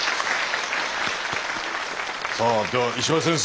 さあでは石橋先生